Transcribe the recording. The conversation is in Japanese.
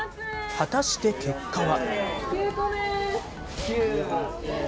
果たして結果は。